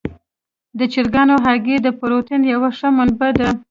د چرګانو هګۍ د پروټین یوه ښه منبع ده.